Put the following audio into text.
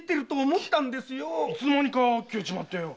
いつのまにか消えちまって。